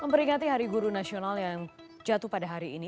memperingati hari guru nasional yang jatuh pada hari ini